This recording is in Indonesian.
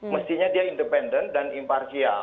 mestinya dia independen dan imparsial